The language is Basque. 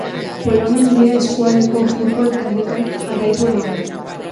Polonia Handia eskualdeko futbol talderik jarraituena da.